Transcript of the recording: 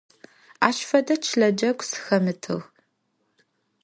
Aş fede çıle cegu sıxemıtığ.